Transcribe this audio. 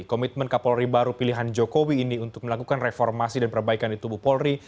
komitmen kapolri baru pilihan jokowi ini untuk melakukan reformasi dan perbaikan di tubuh polri